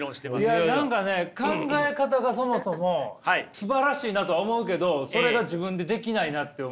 いや何かね考え方がそもそもすばらしいなとは思うけどそれが自分でできないなって思ってしまう。